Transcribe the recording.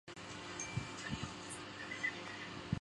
大洋洲壳腺溞为仙达溞科壳腺溞属的动物。